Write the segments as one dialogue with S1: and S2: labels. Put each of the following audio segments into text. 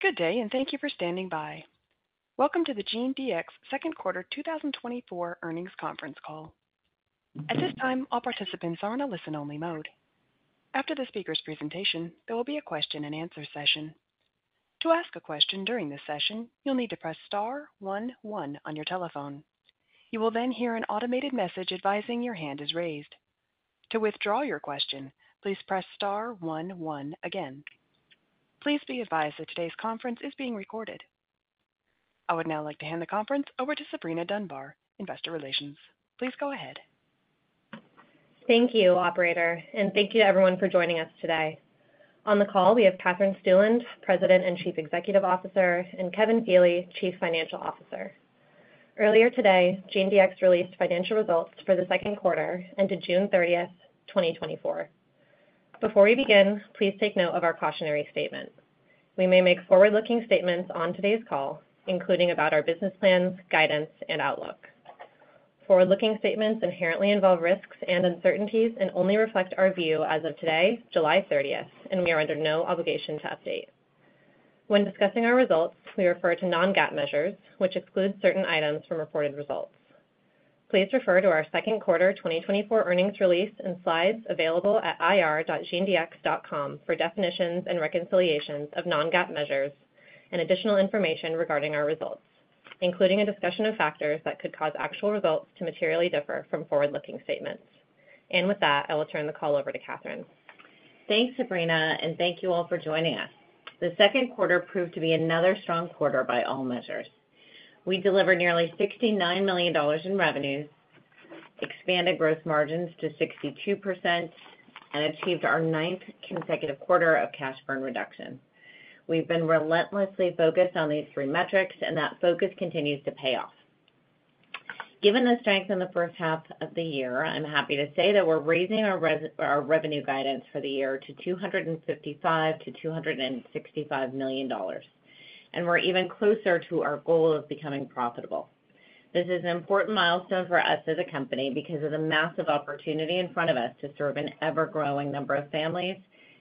S1: Good day, and thank you for standing by. Welcome to the GeneDx Second Quarter 2024 Earnings Conference Call. At this time, all participants are in a listen-only mode. After the speaker's presentation, there will be a question-and-answer session. To ask a question during this session, you'll need to press star one one on your telephone. You will then hear an automated message advising your hand is raised. To withdraw your question, please press star one one again. Please be advised that today's conference is being recorded. I would now like to hand the conference over to Sabrina Dunbar, Investor Relations. Please go ahead.
S2: Thank you, Operator, and thank you to everyone for joining us today. On the call, we have Katherine Stueland, President and Chief Executive Officer, and Kevin Feeley, Chief Financial Officer. Earlier today, GeneDx released financial results for the second quarter ended June 30th, 2024. Before we begin, please take note of our cautionary statement. We may make forward-looking statements on today's call, including about our business plans, guidance, and outlook. Forward-looking statements inherently involve risks and uncertainties and only reflect our view as of today, July 30, and we are under no obligation to update. When discussing our results, we refer to non-GAAP measures, which exclude certain items from reported results. Please refer to our second quarter 2024 earnings release and slides available at ir.genedx.com for definitions and reconciliations of non-GAAP measures and additional information regarding our results, including a discussion of factors that could cause actual results to materially differ from forward-looking statements. With that, I will turn the call over to Katherine.
S3: Thanks, Sabrina, and thank you all for joining us. The second quarter proved to be another strong quarter by all measures. We delivered nearly $69 million in revenues, expanded gross margins to 62%, and achieved our ninth consecutive quarter of cash burn reduction. We've been relentlessly focused on these three metrics, and that focus continues to pay off. Given the strength in the first half of the year, I'm happy to say that we're raising our revenue guidance for the year to $255 million-$265 million, and we're even closer to our goal of becoming profitable. This is an important milestone for us as a company because of the massive opportunity in front of us to serve an ever-growing number of families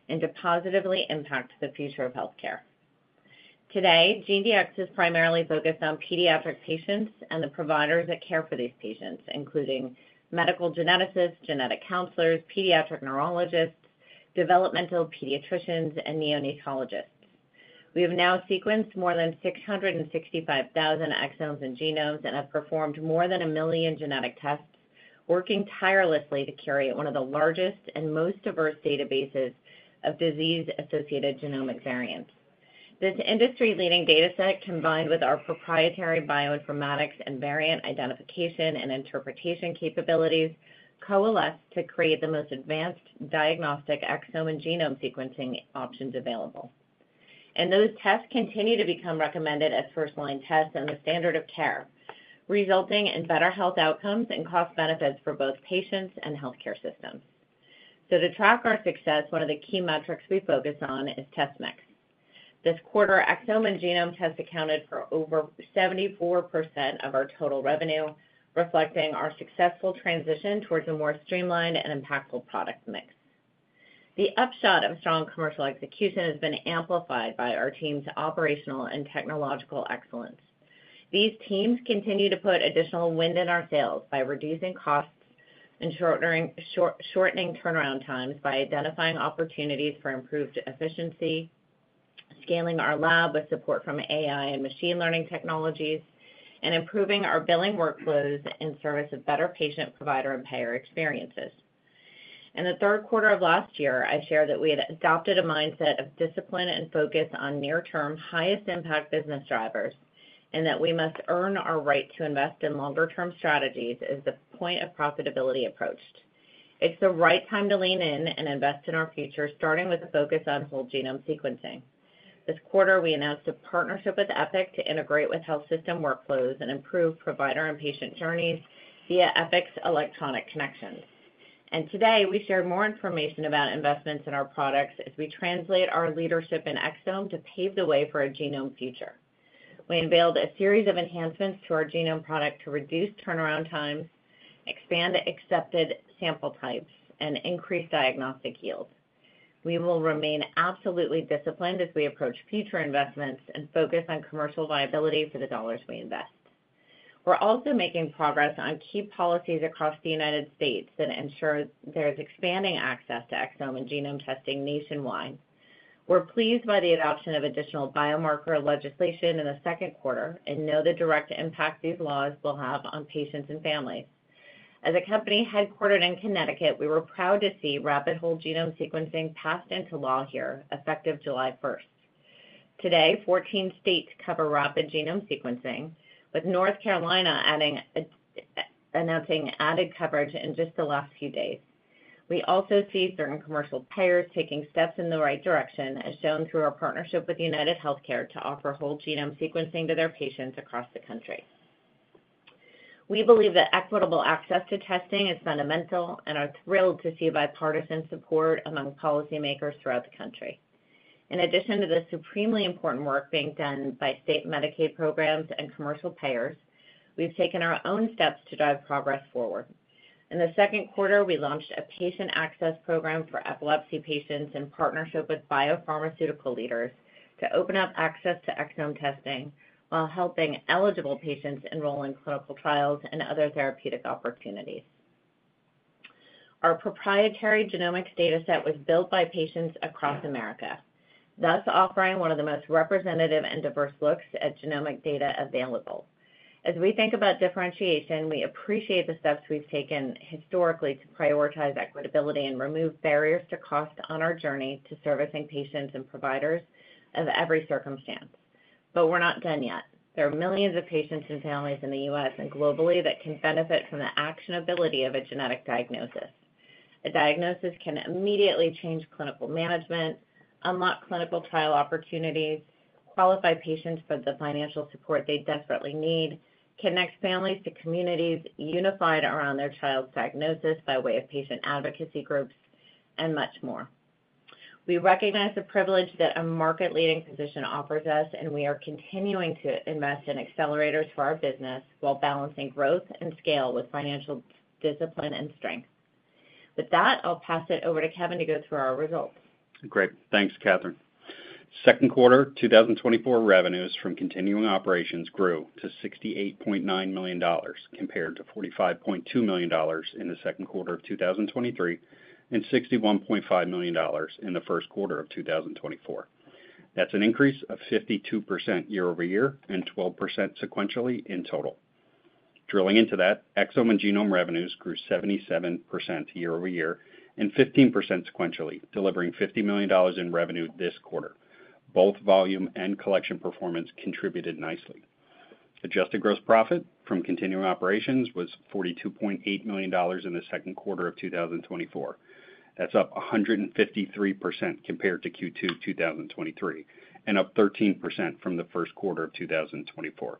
S3: and to positively impact the future of healthcare. Today, GeneDx is primarily focused on pediatric patients and the providers that care for these patients, including medical geneticists, genetic counselors, pediatric neurologists, developmental pediatricians, and neonatologists. We have now sequenced more than 665,000 exomes and genomes and have performed more than 1 million genetic tests, working tirelessly to curate one of the largest and most diverse databases of disease-associated genomic variants. This industry-leading dataset, combined with our proprietary bioinformatics and variant identification and interpretation capabilities, coalesce to create the most advanced diagnostic exome and genome sequencing options available. And those tests continue to become recommended as first-line tests and the standard of care, resulting in better health outcomes and cost benefits for both patients and healthcare systems. So to track our success, one of the key metrics we focus on is test mix. This quarter, exome and genome tests accounted for over 74% of our total revenue, reflecting our successful transition towards a more streamlined and impactful product mix. The upshot of strong commercial execution has been amplified by our team's operational and technological excellence. These teams continue to put additional wind in our sails by reducing costs and shortening turnaround times by identifying opportunities for improved efficiency, scaling our lab with support from AI and machine learning technologies, and improving our billing workflows in service of better patient, provider, and payer experiences. In the third quarter of last year, I shared that we had adopted a mindset of discipline and focus on near-term, highest-impact business drivers and that we must earn our right to invest in longer-term strategies as the point of profitability approached. It's the right time to lean in and invest in our future, starting with a focus on whole-genome sequencing. This quarter, we announced a partnership with Epic to integrate with health system workflows and improve provider and patient journeys via Epic's electronic connections. Today, we share more information about investments in our products as we translate our leadership in exome to pave the way for a genome future. We unveiled a series of enhancements to our genome product to reduce turnaround times, expand accepted sample types, and increase diagnostic yield. We will remain absolutely disciplined as we approach future investments and focus on commercial viability for the dollars we invest. We're also making progress on key policies across the United States that ensure there is expanding access to exome and genome testing nationwide. We're pleased by the adoption of additional biomarker legislation in the second quarter and know the direct impact these laws will have on patients and families. As a company headquartered in Connecticut, we were proud to see rapid whole-genome sequencing passed into law here, effective July 1st. Today, 14 states cover rapid genome sequencing, with North Carolina adding, announcing added coverage in just the last few days. We also see certain commercial payers taking steps in the right direction, as shown through our partnership with UnitedHealthcare to offer whole-genome sequencing to their patients across the country. We believe that equitable access to testing is fundamental and are thrilled to see bipartisan support among policymakers throughout the country. In addition to the supremely important work being done by state Medicaid programs and commercial payers, we've taken our own steps to drive progress forward. In the second quarter, we launched a patient access program for epilepsy patients in partnership with biopharmaceutical leaders to open up access to exome testing, while helping eligible patients enroll in clinical trials and other therapeutic opportunities. Our proprietary genomics data set was built by patients across America, thus offering one of the most representative and diverse looks at genomic data available. As we think about differentiation, we appreciate the steps we've taken historically to prioritize equitability and remove barriers to cost on our journey to servicing patients and providers of every circumstance. But we're not done yet. There are millions of patients and families in the U.S. and globally that can benefit from the actionability of a genetic diagnosis. A diagnosis can immediately change clinical management, unlock clinical trial opportunities, qualify patients for the financial support they desperately need, connect families to communities unified around their child's diagnosis by way of patient advocacy groups, and much more. We recognize the privilege that a market-leading position offers us, and we are continuing to invest in accelerators for our business while balancing growth and scale with financial discipline and strength. With that, I'll pass it over to Kevin to go through our results.
S4: Great. Thanks, Katherine. Second quarter 2024 revenues from continuing operations grew to $68.9 million, compared to $45.2 million in the second quarter of 2023, and $61.5 million in the first quarter of 2024. That's an increase of 52% year-over-year and 12% sequentially in total. Drilling into that, exome and genome revenues grew 77% year-over-year and 15% sequentially, delivering $50 million in revenue this quarter. Both volume and collection performance contributed nicely. Adjusted gross profit from continuing operations was $42.8 million in the second quarter of 2024. That's up 153% compared to Q2 2023, and up 13% from the first quarter of 2024.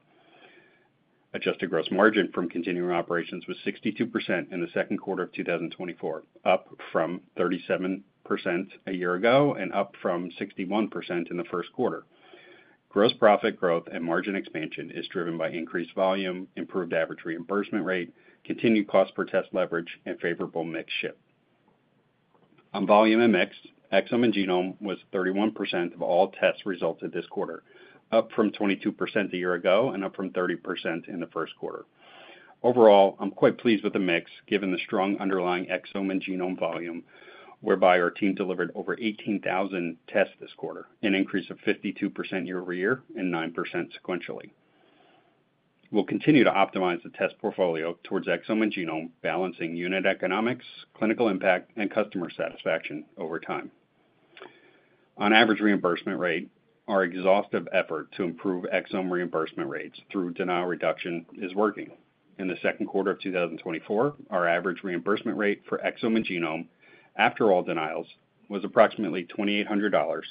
S4: Adjusted Gross Margin from continuing operations was 62% in the second quarter of 2024, up from 37% a year ago and up from 61% in the first quarter. Gross profit growth and margin expansion is driven by increased volume, improved average reimbursement rate, continued cost per test leverage, and favorable mix shift. On volume and mix, exome and genome was 31% of all test results in this quarter, up from 22% a year ago and up from 30% in the first quarter. Overall, I'm quite pleased with the mix, given the strong underlying exome and genome volume, whereby our team delivered over 18,000 tests this quarter, an increase of 52% year-over-year and 9% sequentially. We'll continue to optimize the test portfolio towards exome and genome, balancing unit economics, clinical impact, and customer satisfaction over time. On average reimbursement rate, our exhaustive effort to improve exome reimbursement rates through denial reduction is working. In the second quarter of 2024, our average reimbursement rate for exome and genome, after all denials, was approximately $2,800,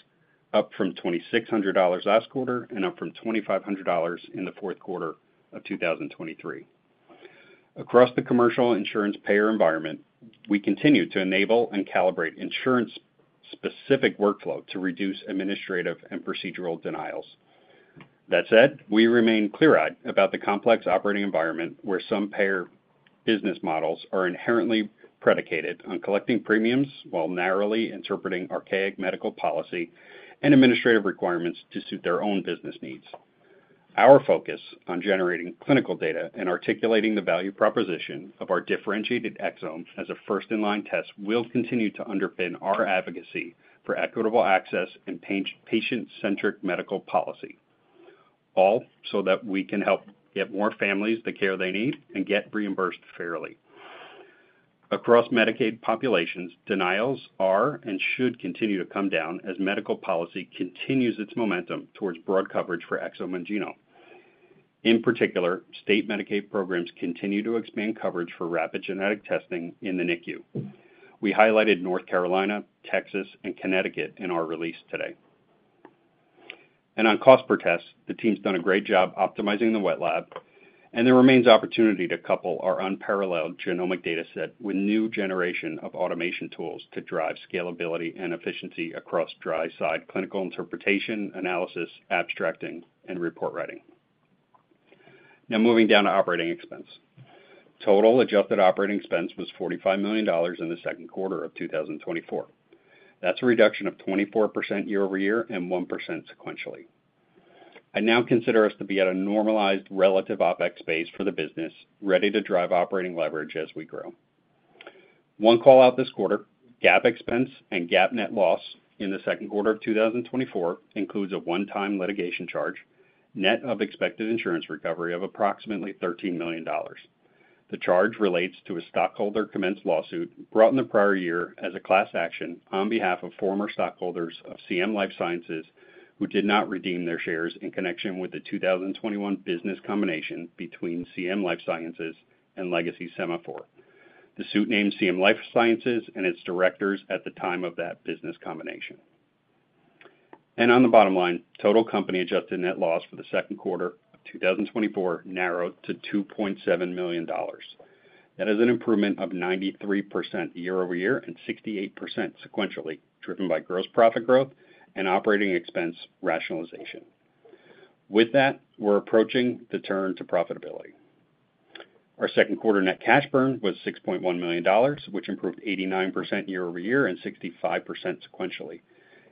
S4: up from $2,600 last quarter and up from $2,500 in the fourth quarter of 2023. Across the commercial insurance payer environment, we continue to enable and calibrate insurance-specific workflow to reduce administrative and procedural denials. That said, we remain clear-eyed about the complex operating environment, where some payer business models are inherently predicated on collecting premiums while narrowly interpreting archaic medical policy and administrative requirements to suit their own business needs. Our focus on generating clinical data and articulating the value proposition of our differentiated exomes as a first-in-line test will continue to underpin our advocacy for equitable access and patient-centric medical policy, all so that we can help get more families the care they need and get reimbursed fairly. Across Medicaid populations, denials are and should continue to come down as medical policy continues its momentum towards broad coverage for exome and genome. In particular, state Medicaid programs continue to expand coverage for rapid genetic testing in the NICU. We highlighted North Carolina, Texas, and Connecticut in our release today. On cost per test, the team's done a great job optimizing the wet lab, and there remains opportunity to couple our unparalleled genomic data set with new generation of automation tools to drive scalability and efficiency across dry side clinical interpretation, analysis, abstracting, and report writing. Now moving down to operating expense. Total adjusted operating expense was $45 million in the second quarter of 2024. That's a reduction of 24% year-over-year and 1% sequentially. I now consider us to be at a normalized relative OpEx base for the business, ready to drive operating leverage as we grow. One call out this quarter, GAAP expense and GAAP net loss in the second quarter of 2024 includes a one-time litigation charge, net of expected insurance recovery of approximately $13 million. The charge relates to a stockholder-commenced lawsuit brought in the prior year as a class action on behalf of former stockholders of CM Life Sciences, who did not redeem their shares in connection with the 2021 business combination between CM Life Sciences and Legacy Sema4. The suit named CM Life Sciences and its directors at the time of that business combination. On the bottom line, total company adjusted net loss for the second quarter of 2024 narrowed to $2.7 million. That is an improvement of 93% year-over-year and 68% sequentially, driven by gross profit growth and operating expense rationalization. With that, we're approaching the turn to profitability. Our second quarter net cash burn was $6.1 million, which improved 89% year-over-year and 65% sequentially,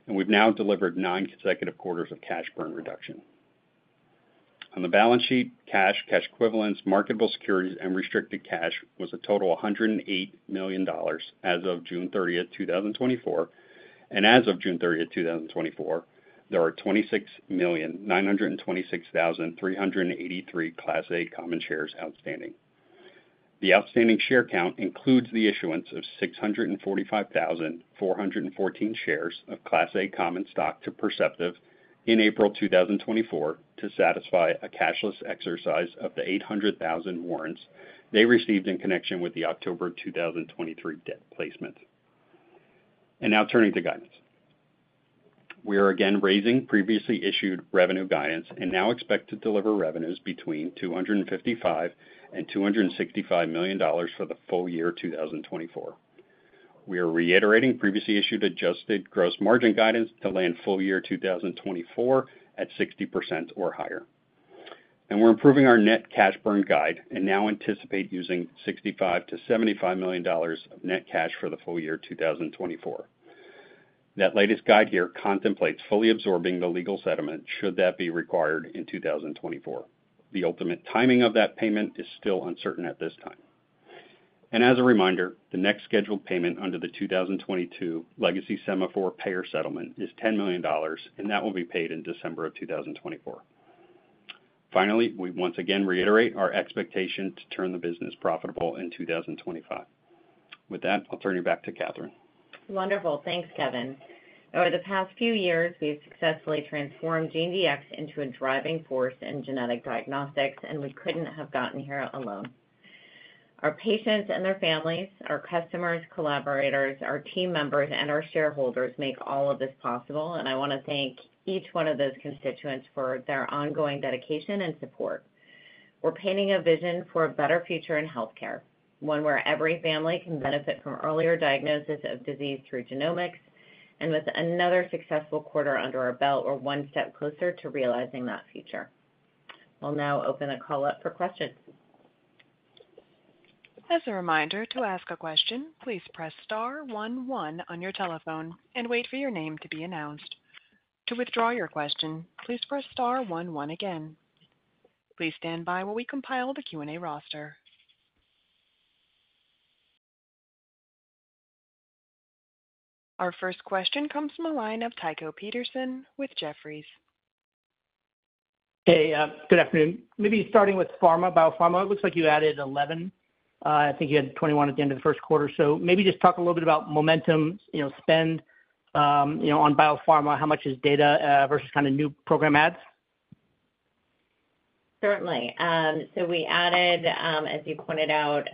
S4: and we've now delivered nine consecutive quarters of cash burn reduction. On the balance sheet, cash, cash equivalents, marketable securities, and restricted cash was a total $108 million as of June 30th, 2024, and as of June 30th, 2024, there are 26,926,383 Class A common shares outstanding. The outstanding share count includes the issuance of 645,414 shares of Class A common stock to Perceptive in April 2024, to satisfy a cashless exercise of the 800,000 warrants they received in connection with the October 2023 debt placement. Now turning to guidance. We are again raising previously issued revenue guidance and now expect to deliver revenues between $255 million and $265 million for the full year 2024. We are reiterating previously issued adjusted gross margin guidance to land full year 2024 at 60% or higher. We're improving our net cash burn guide and now anticipate using $65 million-$75 million of net cash for the full year 2024. That latest guide here contemplates fully absorbing the legal settlement, should that be required in 2024. The ultimate timing of that payment is still uncertain at this time. As a reminder, the next scheduled payment under the 2022 legacy Sema4 payer settlement is $10 million, and that will be paid in December of 2024. Finally, we once again reiterate our expectation to turn the business profitable in 2025. With that, I'll turn you back to Katherine.
S3: Wonderful. Thanks, Kevin. Over the past few years, we've successfully transformed GeneDx into a driving force in genetic diagnostics, and we couldn't have gotten here alone. Our patients and their families, our customers, collaborators, our team members, and our shareholders make all of this possible, and I want to thank each one of those constituents for their ongoing dedication and support. We're painting a vision for a better future in healthcare, one where every family can benefit from earlier diagnosis of disease through genomics, and with another successful quarter under our belt, we're one step closer to realizing that future. We'll now open the call up for questions.
S1: As a reminder, to ask a question, please press star one, one on your telephone and wait for your name to be announced. To withdraw your question, please press star one, one again. Please stand by while we compile the Q&A roster. Our first question comes from the line of Tycho Peterson with Jefferies.
S5: Hey, good afternoon. Maybe starting with pharma, biopharma, it looks like you added 11, I think you had 21 at the end of the first quarter. So maybe just talk a little bit about momentum, you know, spend, you know, on biopharma. How much is data versus kind of new program adds?
S3: Certainly. So we added, as you pointed out,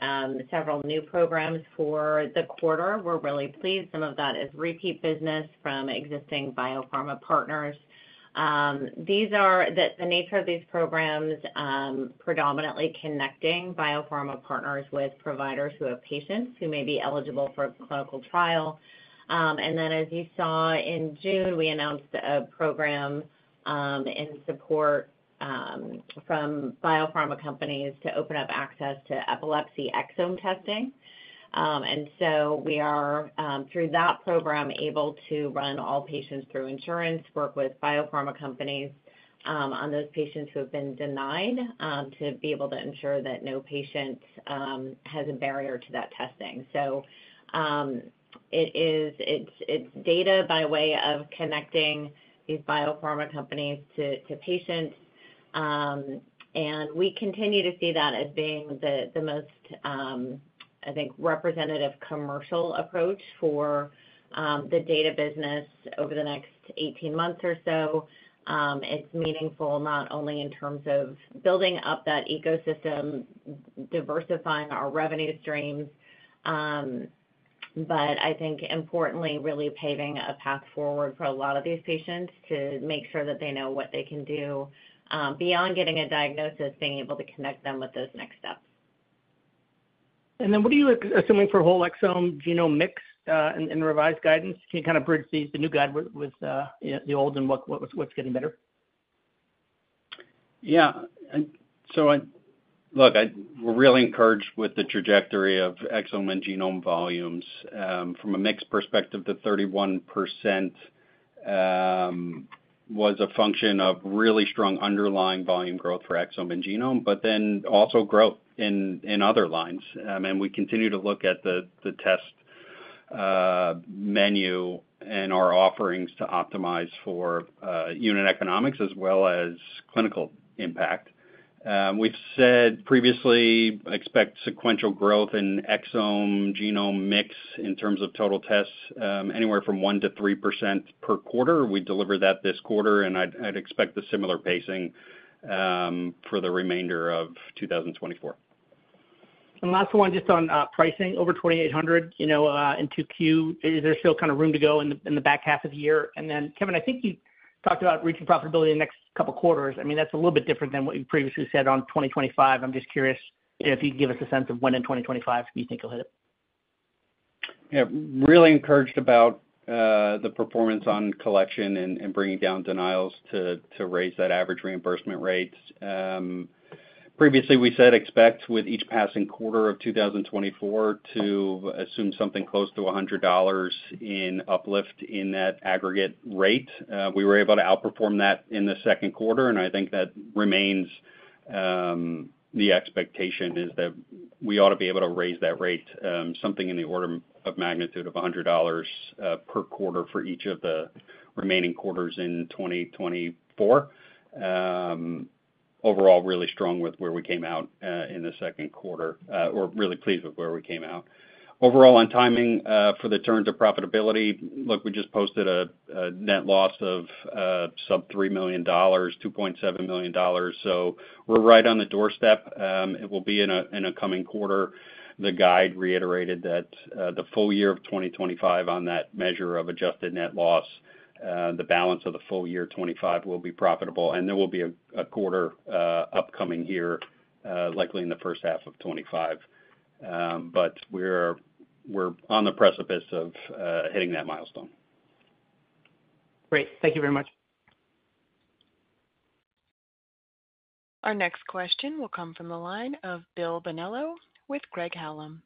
S3: several new programs for the quarter. We're really pleased. Some of that is repeat business from existing biopharma partners. These are the nature of these programs, predominantly connecting biopharma partners with providers who have patients who may be eligible for a clinical trial. And then, as you saw in June, we announced a program in support from biopharma companies to open up access to epilepsy exome testing. And so we are, through that program, able to run all patients through insurance, work with biopharma companies on those patients who have been denied, to be able to ensure that no patient has a barrier to that testing. So, it's data by way of connecting these biopharma companies to patients, and we continue to see that as being the most, I think, representative commercial approach for the data business over the next 18 months or so. It's meaningful not only in terms of building up that ecosystem, diversifying our revenue streams, but I think importantly, really paving a path forward for a lot of these patients to make sure that they know what they can do beyond getting a diagnosis, being able to connect them with those next steps.
S5: Then what are you assuming for whole exome genome mix in revised guidance? Can you kind of bridge the new guide with you know the old and what's getting better?
S4: Yeah. Look, we're really encouraged with the trajectory of exome and genome volumes. From a mix perspective, the 31% was a function of really strong underlying volume growth for exome and genome, but then also growth in other lines. And we continue to look at the test menu and our offerings to optimize for unit economics as well as clinical impact. We've said previously, expect sequential growth in exome, genome mix in terms of total tests, anywhere from 1%-3% per quarter. We delivered that this quarter, and I'd expect a similar pacing for the remainder of 2024.
S5: Last one, just on pricing over $2,800, you know, in Q2, is there still kind of room to go in the back half of the year? And then, Kevin, I think you talked about reaching profitability in the next couple of quarters. I mean, that's a little bit different than what you previously said on 2025. I'm just curious if you could give us a sense of when in 2025 you think you'll hit it?
S4: Yeah, really encouraged about the performance on collection and bringing down denials to raise that average reimbursement rate. Previously, we said expect with each passing quarter of 2024 to assume something close to $100 in uplift in that aggregate rate. We were able to outperform that in the second quarter, and I think that remains the expectation, is that we ought to be able to raise that rate, something in the order of magnitude of $100 per quarter for each of the remaining quarters in 2024. Overall, really strong with where we came out in the second quarter, or really pleased with where we came out. Overall, on timing, for the turn to profitability, look, we just posted a net loss of sub-$3 million, $2.7 million, so we're right on the doorstep. It will be in a coming quarter. The guide reiterated that, the full year of 2025, on that measure of adjusted net loss, the balance of the full year 2025 will be profitable, and there will be a quarter upcoming here, likely in the first half of 2025. But we're on the precipice of hitting that milestone.
S5: Great. Thank you very much.
S1: Our next question will come from the line of Bill Bonello with Craig-Hallum.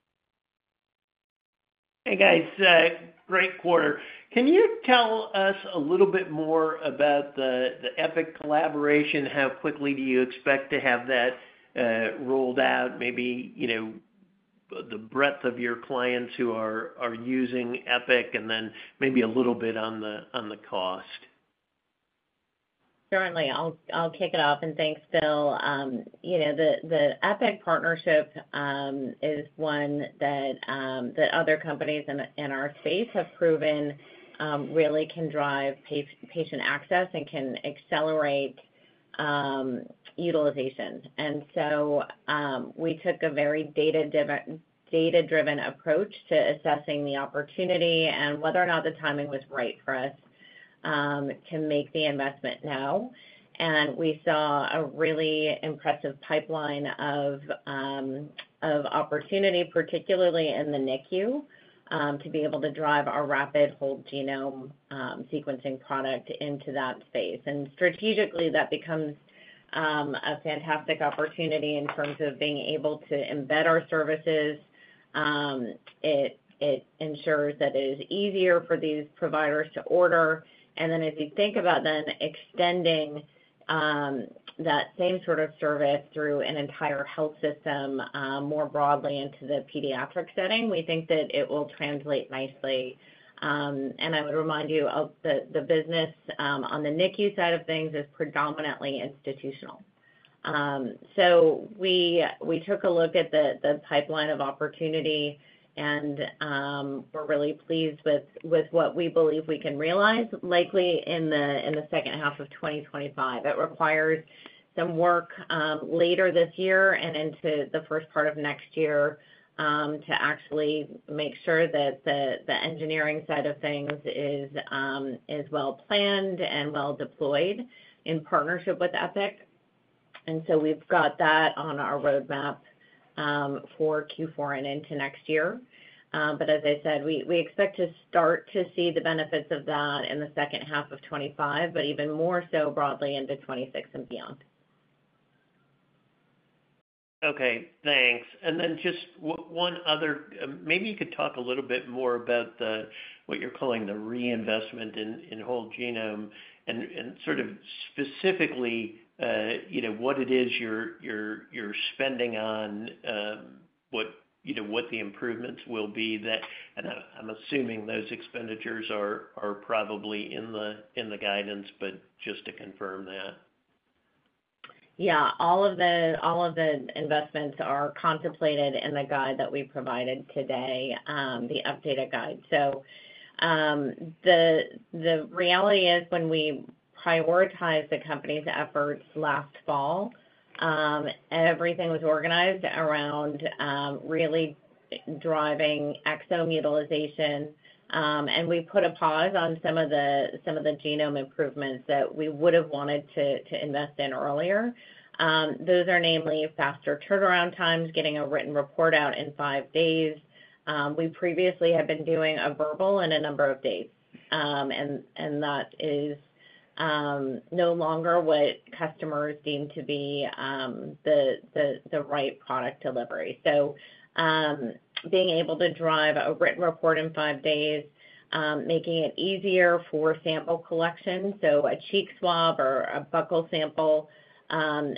S6: Hey, guys, great quarter. Can you tell us a little bit more about the Epic collaboration? How quickly do you expect to have that rolled out? Maybe, you know, the breadth of your clients who are using Epic, and then maybe a little bit on the cost.
S3: Certainly. I'll kick it off, and thanks, Bill. You know, the Epic partnership is one that other companies in our space have proven really can drive patient access and can accelerate utilization. And so, we took a very data-driven approach to assessing the opportunity and whether or not the timing was right for us to make the investment now. And we saw a really impressive pipeline of opportunity, particularly in the NICU, to be able to drive our rapid whole genome sequencing product into that space. And strategically, that becomes a fantastic opportunity in terms of being able to embed our services. It ensures that it is easier for these providers to order. Then if you think about then extending that same sort of service through an entire health system more broadly into the pediatric setting, we think that it will translate nicely. I would remind you of the business on the NICU side of things is predominantly institutional. So we took a look at the pipeline of opportunity, and we're really pleased with what we believe we can realize, likely in the second half of 2025. It requires some work later this year and into the first part of next year to actually make sure that the engineering side of things is well-planned and well-deployed in partnership with Epic. So we've got that on our roadmap for Q4 and into next year. But as I said, we expect to start to see the benefits of that in the second half of 2025, but even more so broadly into 2026 and beyond.
S6: Okay, thanks. And then just one other. Maybe you could talk a little bit more about the, what you're calling the reinvestment in, in whole genome, and, and sort of specifically, you know, what it is you're spending on, you know, what the improvements will be that. And I'm assuming those expenditures are probably in the guidance, but just to confirm that.
S3: Yeah. All of the investments are contemplated in the guide that we provided today, the updated guide. So, the reality is, when we prioritized the company's efforts last fall, everything was organized around really driving exome utilization, and we put a pause on some of the genome improvements that we would have wanted to invest in earlier. Those are namely faster turnaround times, getting a written report out in five days. We previously had been doing a verbal in a number of days, and that is no longer what customers deem to be the right product delivery. So, being able to drive a written report in five days, making it easier for sample collection, so a cheek swab or a buccal sample,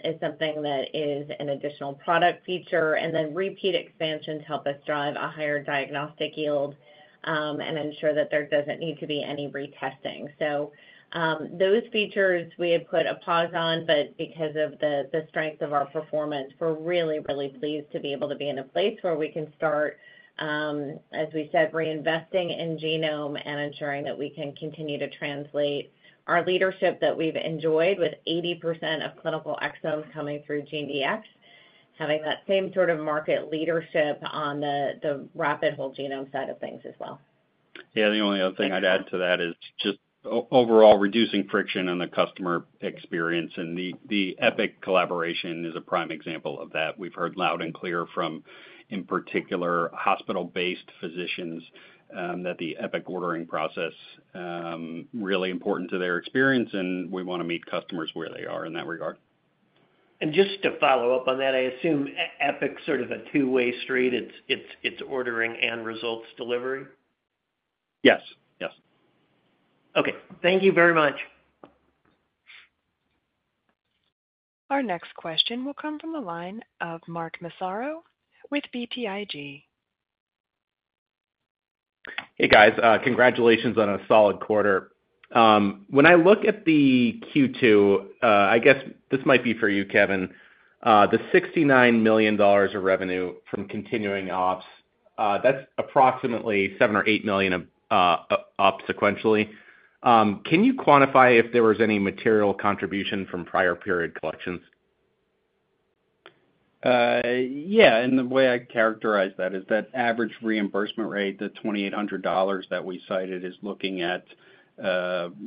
S3: is something that is an additional product feature, and then repeat expansion to help us drive a higher diagnostic yield, and ensure that there doesn't need to be any retesting. So, those features we had put a pause on, but because of the strength of our performance, we're really, really pleased to be able to be in a place where we can start, as we said, reinvesting in genome and ensuring that we can continue to translate our leadership that we've enjoyed with 80% of clinical exomes coming through GeneDx, having that same sort of market leadership on the rapid whole genome side of things as well.
S4: Yeah, the only other thing I'd add to that is just overall reducing friction on the customer experience, and the Epic collaboration is a prime example of that. We've heard loud and clear from, in particular, hospital-based physicians, that the Epic ordering process really important to their experience, and we want to meet customers where they are in that regard.
S6: Just to follow up on that, I assume Epic's sort of a two-way street. It's ordering and results delivery?
S4: Yes. Yes.
S6: Okay. Thank you very much.
S1: Our next question will come from the line of Mark Massaro with BTIG.
S7: Hey, guys, congratulations on a solid quarter. When I look at the Q2, I guess this might be for you, Kevin, the $69 million of revenue from continuing ops, that's approximately $7 million or $8 million, up sequentially. Can you quantify if there was any material contribution from prior period collections?
S4: Yeah, and the way I'd characterize that is that average reimbursement rate, the $2,800 that we cited, is looking at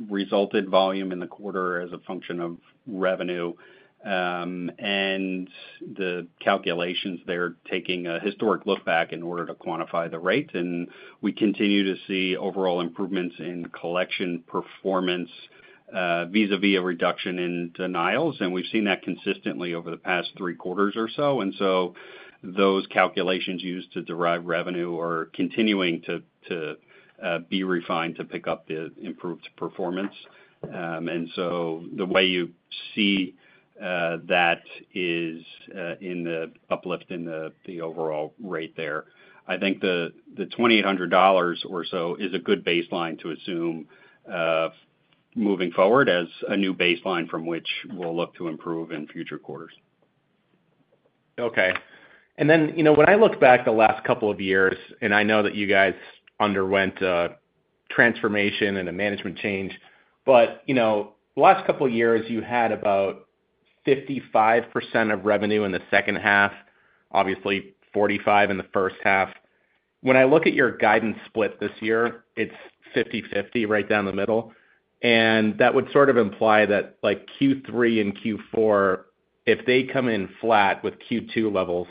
S4: resulted volume in the quarter as a function of revenue. And the calculations there taking a historic look back in order to quantify the rate, and we continue to see overall improvements in collection performance vis-a-vis a reduction in denials. And we've seen that consistently over the past three quarters or so. And so those calculations used to derive revenue are continuing to be refined to pick up the improved performance. And so the way you see that is in the uplift in the overall rate there. I think the $2,800 or so is a good baseline to assume moving forward as a new baseline from which we'll look to improve in future quarters.
S7: Okay. And then, you know, when I look back the last couple of years, and I know that you guys underwent a transformation and a management change, but, you know, the last couple of years, you had about 55% of revenue in the second half, obviously 45 in the first half. When I look at your guidance split this year, it's 50/50, right down the middle, and that would sort of imply that like Q3 and Q4, if they come in flat with Q2 levels,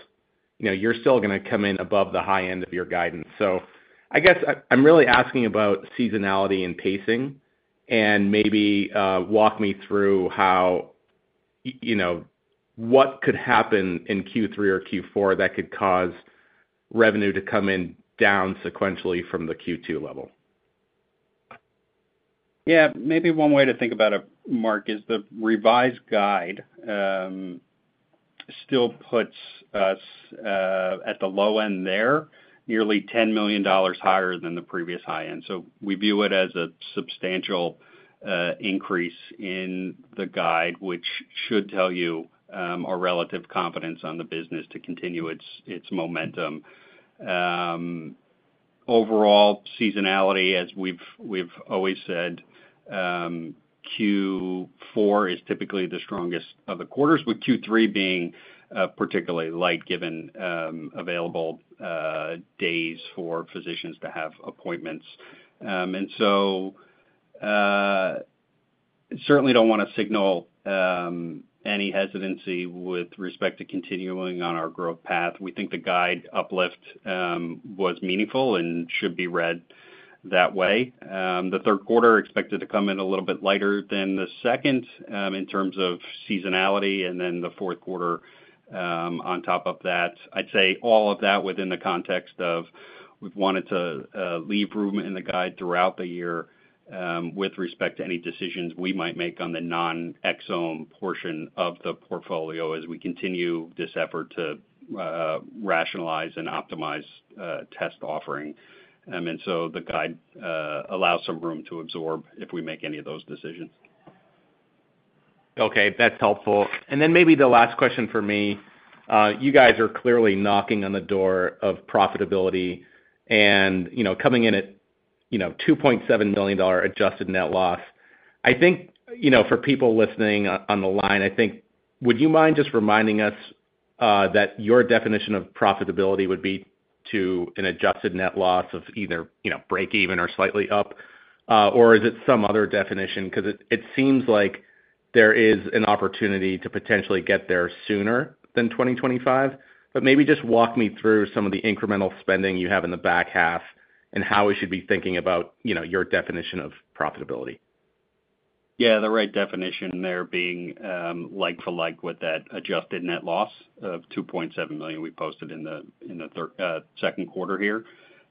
S7: you know, you're still gonna come in above the high end of your guidance. So I guess I, I'm really asking about seasonality and pacing and maybe, walk me through how, you know, what could happen in Q3 or Q4 that could cause revenue to come in down sequentially from the Q2 level?
S4: Yeah, maybe one way to think about it, Mark, is the revised guide still puts us at the low end there, nearly $10 million higher than the previous high end. So we view it as a substantial increase in the guide, which should tell you our relative confidence on the business to continue its momentum. Overall seasonality, as we've always said, Q4 is typically the strongest of the quarters, with Q3 being particularly light given available days for physicians to have appointments. Certainly don't want to signal any hesitancy with respect to continuing on our growth path. We think the guide uplift was meaningful and should be read that way. The third quarter expected to come in a little bit lighter than the second, in terms of seasonality and then the fourth quarter, on top of that. I'd say all of that within the context of we've wanted to leave room in the guide throughout the year, with respect to any decisions we might make on the non-exome portion of the portfolio as we continue this effort to rationalize and optimize test offering. And so the guide allows some room to absorb if we make any of those decisions.
S7: Okay, that's helpful. And then maybe the last question for me. You guys are clearly knocking on the door of profitability and, you know, coming in at, you know, $2.7 million Adjusted Net Loss. I think, you know, for people listening on the line, I think, you know, would you mind just reminding us that your definition of profitability would be to an Adjusted Net Loss of either, you know, break even or slightly up? Or is it some other definition? Because it seems like there is an opportunity to potentially get there sooner than 2025. But maybe just walk me through some of the incremental spending you have in the back half and how we should be thinking about, you know, your definition of profitability.
S4: Yeah, the right definition there being, like for like, with that Adjusted Net Loss of $2.7 million we posted in the second quarter here.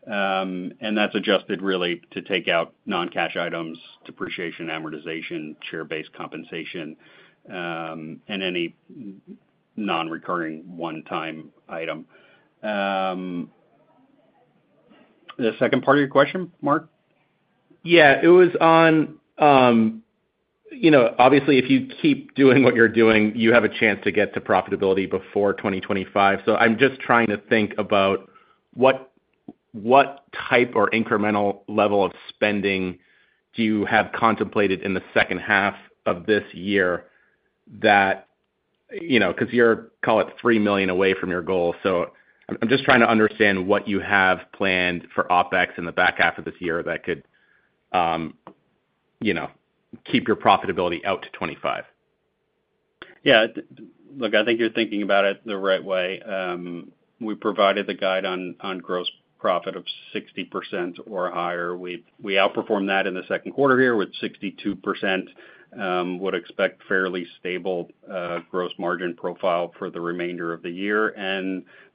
S4: And that's adjusted really to take out non-cash items, depreciation, amortization, share-based compensation, and any non-recurring one-time item. The second part of your question, Mark?
S7: Yeah, it was on, you know, obviously, if you keep doing what you're doing, you have a chance to get to profitability before 2025. So I'm just trying to think about what, what type or incremental level of spending do you have contemplated in the second half of this year that, you know, because you're, call it, $3 million away from your goal. So I'm just trying to understand what you have planned for OpEx in the back half of this year that could, you know, keep your profitability out to 2025.
S4: Yeah, look, I think you're thinking about it the right way. We provided the guide on gross profit of 60% or higher. We outperformed that in the second quarter here with 62%. Would expect fairly stable gross margin profile for the remainder of the year.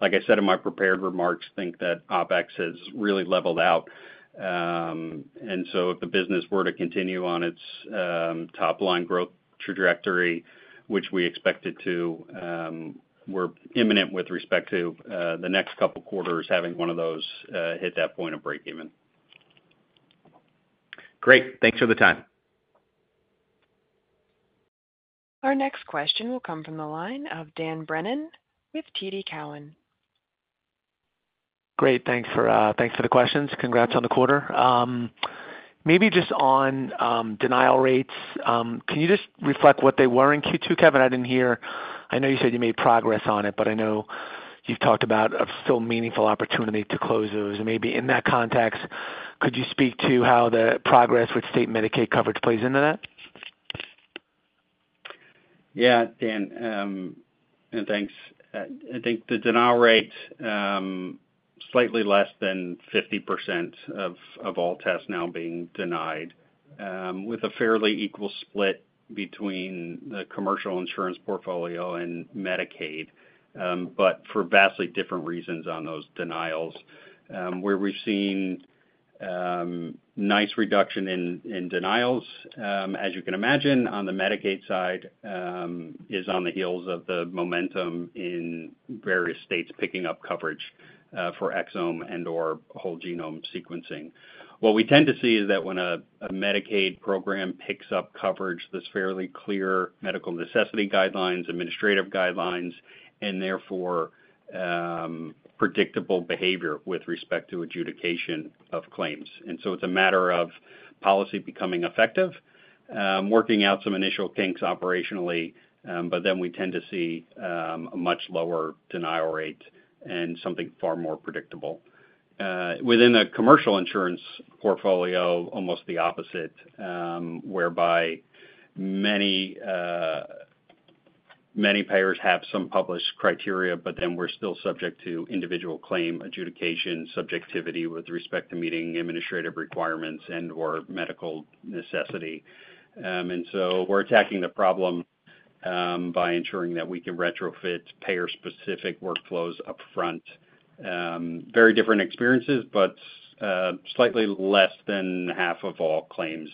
S4: Like I said in my prepared remarks, think that OpEx has really leveled out. And so if the business were to continue on its top-line growth trajectory, which we expect it to, we're imminent with respect to the next couple of quarters, having one of those hit that point of breakeven.
S7: Great. Thanks for the time.
S1: Our next question will come from the line of Dan Brennan with TD Cowen.
S8: Great. Thanks for the questions. Congrats on the quarter. Maybe just on denial rates, can you just reflect what they were in Q2, Kevin? I didn't hear. I know you said you made progress on it, but I know you've talked about a still meaningful opportunity to close those. And maybe in that context, could you speak to how the progress with state Medicaid coverage plays into that?
S4: Yeah, Dan, and thanks. I think the denial rate, slightly less than 50% of, of all tests now being denied, with a fairly equal split between the commercial insurance portfolio and Medicaid, but for vastly different reasons on those denials. Where we've seen, nice reduction in, in denials, as you can imagine, on the Medicaid side, is on the heels of the momentum in various states picking up coverage, for exome and/or whole-genome sequencing. What we tend to see is that when a, a Medicaid program picks up coverage, there's fairly clear medical necessity guidelines, administrative guidelines, and therefore, predictable behavior with respect to adjudication of claims. And so it's a matter of policy becoming effective, working out some initial kinks operationally, but then we tend to see a much lower denial rate and something far more predictable. Within the commercial insurance portfolio, almost the opposite, whereby many payers have some published criteria, but then we're still subject to individual claim adjudication, subjectivity with respect to meeting administrative requirements and/or medical necessity. And so we're attacking the problem by ensuring that we can retrofit payer-specific workflows upfront. Very different experiences, but slightly less than half of all claims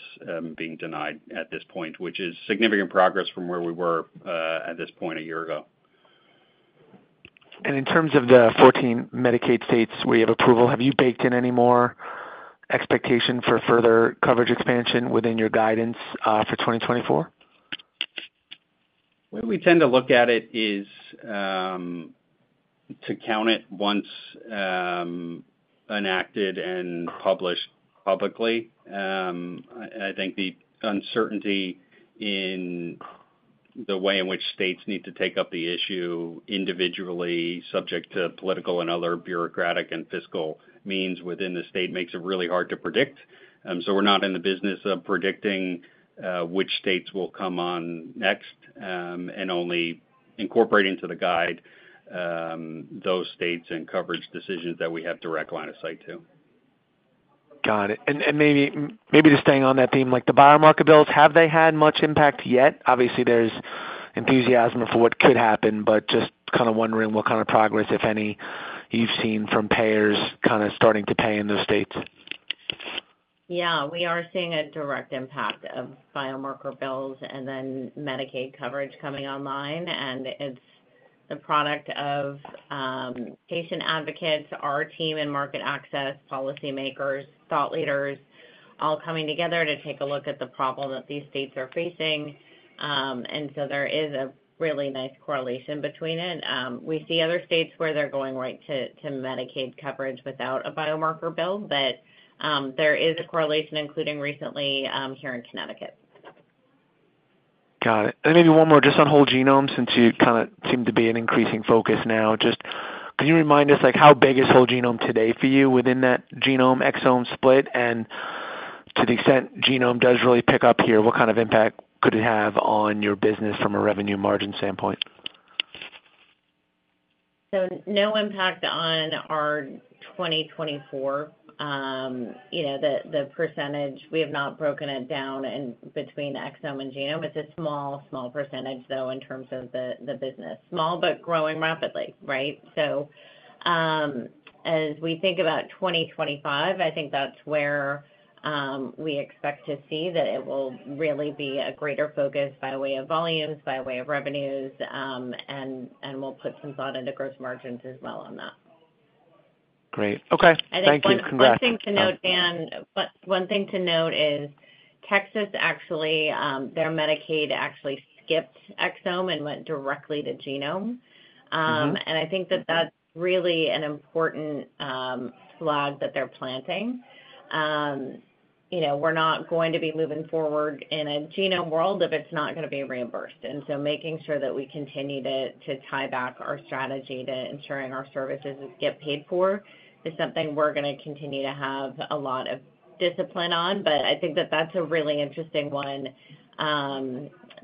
S4: being denied at this point, which is significant progress from where we were at this point a year ago.
S8: In terms of the 14 Medicaid states where you have approval, have you baked in any more expectation for further coverage expansion within your guidance for 2024?
S4: The way we tend to look at it is to count it once enacted and published publicly. And I think the uncertainty in the way in which states need to take up the issue individually, subject to political and other bureaucratic and fiscal means within the state, makes it really hard to predict. So we're not in the business of predicting which states will come on next, and only incorporating to the guide those states and coverage decisions that we have direct line of sight to.
S8: Got it. And maybe just staying on that theme, like the biomarker bills, have they had much impact yet? Obviously, there's enthusiasm for what could happen, but just kind of wondering what kind of progress, if any, you've seen from payers kind of starting to pay in those states.
S3: Yeah, we are seeing a direct impact of biomarker bills and then Medicaid coverage coming online, and it's the product of, patient advocates, our team in market access, policymakers, thought leaders, all coming together to take a look at the problem that these states are facing. And so there is a really nice correlation between it. We see other states where they're going right to Medicaid coverage without a biomarker bill, but, there is a correlation, including recently, here in Connecticut.
S8: Got it. Maybe one more just on whole genome, since you kind of seem to be an increasing focus now. Just can you remind us, like, how big is whole genome today for you within that genome/exome split? To the extent genome does really pick up here, what kind of impact could it have on your business from a revenue margin standpoint?
S3: So no impact on our 2024. You know, the percentage, we have not broken it down in between exome and genome. It's a small, small percentage, though, in terms of the business. Small, but growing rapidly, right? So, as we think about 2025, I think that's where we expect to see that it will really be a greater focus by way of volumes, by way of revenues, and we'll put some thought into gross margins as well on that.
S8: Great. Okay. Thank you. Congrats.
S3: One thing to note, Dan, but one thing to note is Texas actually, their Medicaid actually skipped exome and went directly to genome. And I think that that's really an important flag that they're planting. You know, we're not going to be moving forward in a genome world if it's not going to be reimbursed. And so making sure that we continue to, to tie back our strategy to ensuring our services get paid for is something we're going to continue to have a lot of discipline on. But I think that that's a really interesting one,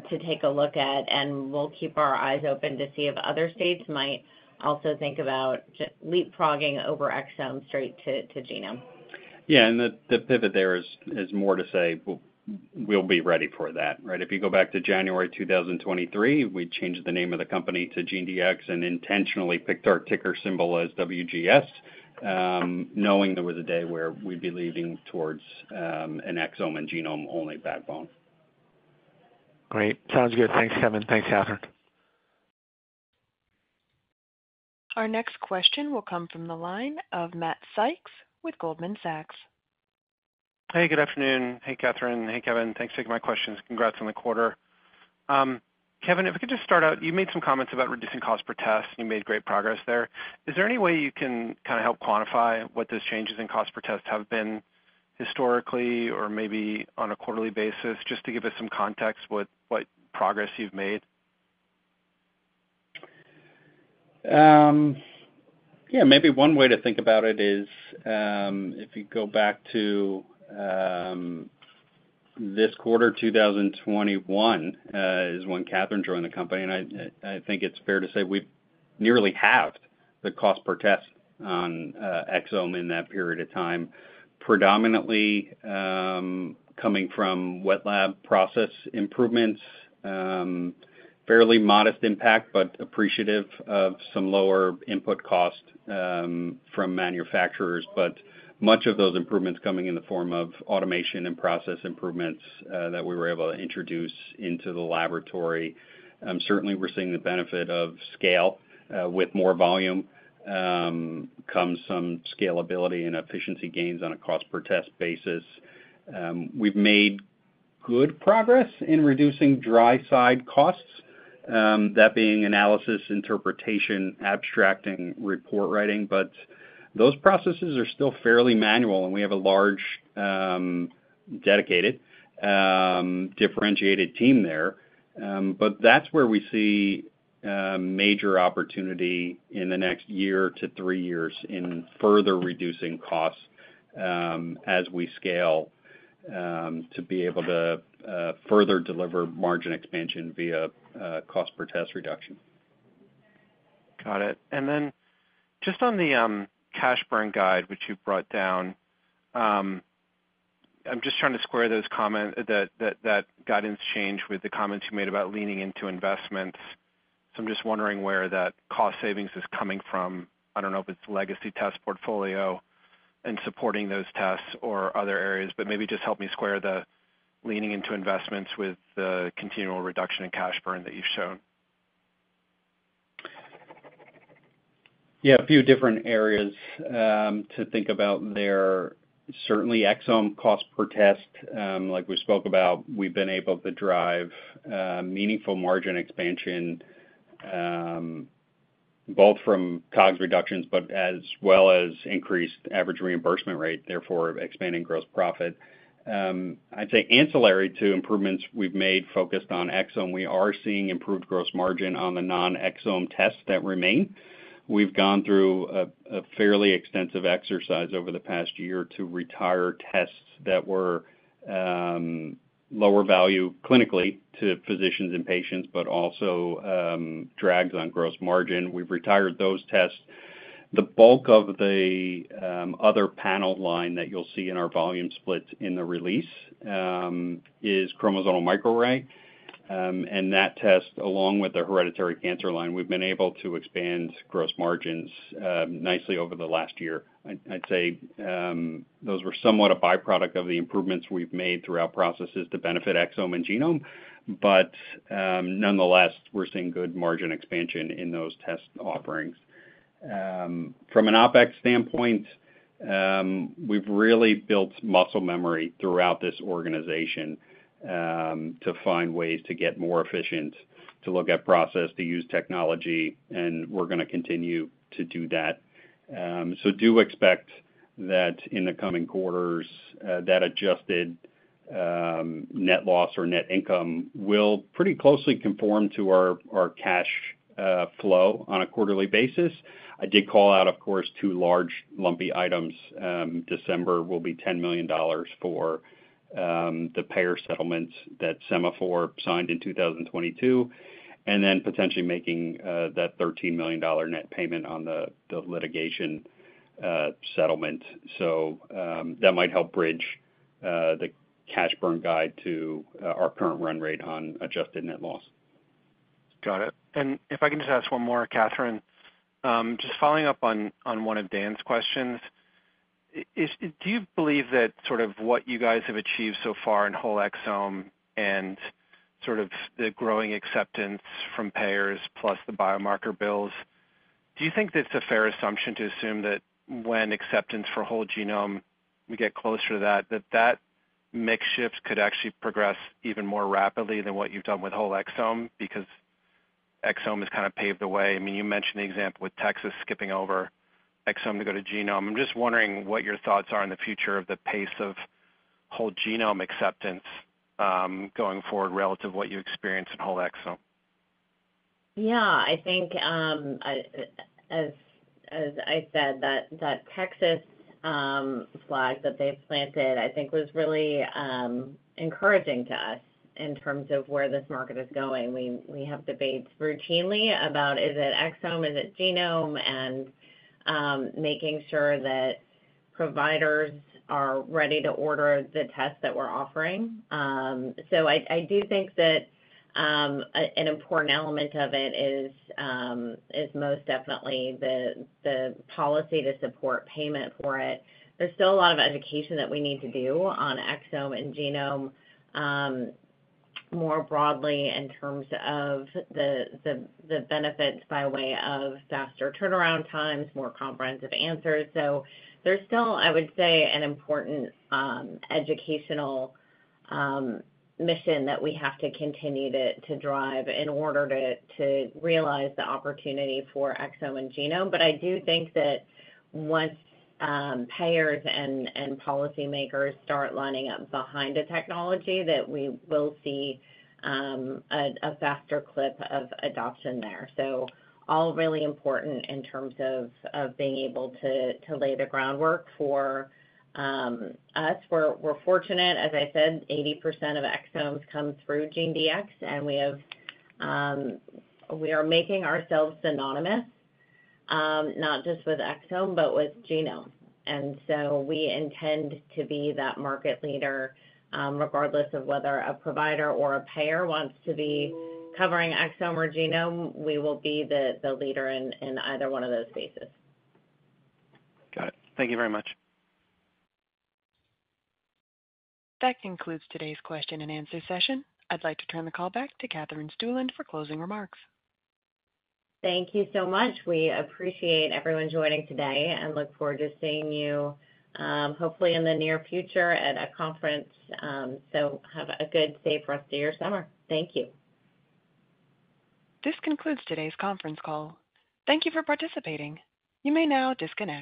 S3: to take a look at, and we'll keep our eyes open to see if other states might also think about just leapfrogging over exome straight to, to genome.
S4: Yeah, and the pivot there is more to say, Well, we'll be ready for that, right? If you go back to January 2023, we changed the name of the company to GeneDx and intentionally picked our ticker symbol as WGS, knowing there was a day where we'd be leaning towards an exome and genome-only backbone.
S8: Great. Sounds good. Thanks, Kevin. Thanks, Katherine.
S1: Our next question will come from the line of Matt Sykes with Goldman Sachs.
S9: Hey, good afternoon. Hey, Katherine. Hey, Kevin. Thanks for taking my questions. Congrats on the quarter. Kevin, if we could just start out, you made some comments about reducing cost per test. You made great progress there. Is there any way you can kind of help quantify what those changes in cost per test have been historically or maybe on a quarterly basis, just to give us some context what progress you've made?
S4: Yeah, maybe one way to think about it is, if you go back to this quarter, 2021, is when Kathryn joined the company, and I think it's fair to say we've nearly halved the cost per test on exome in that period of time, predominantly coming from wet lab process improvements, fairly modest impact, but appreciative of some lower input costs from manufacturers. But much of those improvements coming in the form of automation and process improvements that we were able to introduce into the laboratory. Certainly, we're seeing the benefit of scale with more volume come some scalability and efficiency gains on a cost per test basis. We've made good progress in reducing dry side costs, that being analysis, interpretation, abstracting, report writing. But those processes are still fairly manual, and we have a large, dedicated, differentiated team there. But that's where we see major opportunity in the next year to three years in further reducing costs, as we scale, to be able to further deliver margin expansion via cost per test reduction.
S9: Got it. Then just on the cash burn guide, which you brought down, I'm just trying to square those comments, that guidance change with the comments you made about leaning into investments. So I'm just wondering where that cost savings is coming from. I don't know if it's legacy test portfolio and supporting those tests or other areas, but maybe just help me square the leaning into investments with the continual reduction in cash burn that you've shown.
S4: Yeah, a few different areas to think about there. Certainly exome cost per test, like we spoke about, we've been able to drive meaningful margin expansion both from COGS reductions, but as well as increased average reimbursement rate, therefore expanding gross profit. I'd say ancillary to improvements we've made focused on exome, we are seeing improved gross margin on the non-exome tests that remain. We've gone through a fairly extensive exercise over the past year to retire tests that were lower value clinically to physicians and patients, but also drags on gross margin. We've retired those tests. The bulk of the other panel line that you'll see in our volume splits in the release is chromosomal microarray, and that test, along with the hereditary cancer line, we've been able to expand gross margins nicely over the last year. I'd say those were somewhat a byproduct of the improvements we've made through our processes to benefit exome and genome, but nonetheless, we're seeing good margin expansion in those test offerings. From an OpEx standpoint, we've really built muscle memory throughout this organization to find ways to get more efficient, to look at process, to use technology, and we're going to continue to do that. So do expect that in the coming quarters that adjusted net loss or net income will pretty closely conform to our cash flow on a quarterly basis. I did call out, of course, two large lumpy items. December will be $10 million for the payer settlement that Sema4 signed in 2022, and then potentially making that $13 million net payment on the litigation settlement. That might help bridge the cash burn guide to our current run rate on Adjusted Net Loss.
S9: Got it. And if I can just ask one more, Katherine. Just following up on, on one of Dan's questions, is, do you believe that sort of what you guys have achieved so far in whole exome and sort of the growing acceptance from payers plus the biomarker bills, do you think it's a fair assumption to assume that when acceptance for whole genome, we get closer to that, that that mix shift could actually progress even more rapidly than what you've done with whole exome? Because- exome has kind of paved the way. I mean, you mentioned the example with Texas skipping over exome to go to genome. I'm just wondering what your thoughts are on the future of the pace of whole genome acceptance, going forward, relative to what you experienced in whole exome?
S3: Yeah, I think, as I said, that Texas flag that they've planted, I think was really encouraging to us in terms of where this market is going. We have debates routinely about is it exome, is it genome? And making sure that providers are ready to order the test that we're offering. So I do think that an important element of it is most definitely the policy to support payment for it. There's still a lot of education that we need to do on exome and genome more broadly, in terms of the benefits by way of faster turnaround times, more comprehensive answers. So there's still, I would say, an important educational mission that we have to continue to, to drive in order to, to realize the opportunity for exome and genome. But I do think that once payers and, and policymakers start lining up behind a technology, that we will see a faster clip of adoption there. So all really important in terms of, of being able to, to lay the groundwork for us. We're, we're fortunate, as I said, 80% of exomes come through GeneDx, and we have, we are making ourselves synonymous not just with exome, but with genome. And so we intend to be that market leader regardless of whether a provider or a payer wants to be covering exome or genome, we will be the, the leader in, in either one of those spaces.
S9: Got it. Thank you very much.
S1: That concludes today's question and answer session. I'd like to turn the call back to Katherine Stueland for closing remarks.
S3: Thank you so much. We appreciate everyone joining today and look forward to seeing you, hopefully in the near future at a conference. So have a good, safe rest of your summer. Thank you.
S1: This concludes today's conference call. Thank you for participating. You may now disconnect.